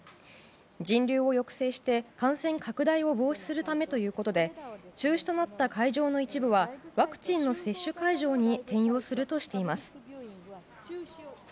人流を抑制して感染拡大を防止するためということで中止となった会場の一部はワクチンの接種会場に転用するとしています。